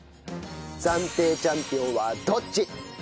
暫定チャンピオンはどっち！？